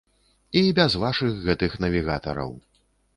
І без вашых гэтых навігатараў.